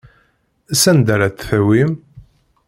Sanda ara tt-tawim?